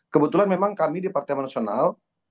kebetulan memang kami di partai nasional